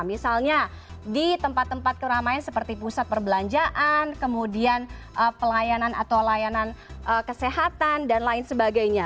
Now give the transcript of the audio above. misalnya di tempat tempat keramaian seperti pusat perbelanjaan kemudian pelayanan atau layanan kesehatan dan lain sebagainya